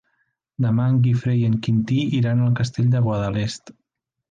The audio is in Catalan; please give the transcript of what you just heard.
Demà en Guifré i en Quintí iran al Castell de Guadalest.